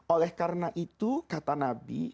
oleh karena itu kata nabi